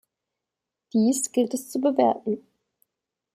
Dies gilt es zu bewerten.